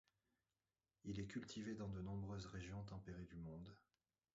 Il est cultivé dans de nombreuses régions tempérées du monde.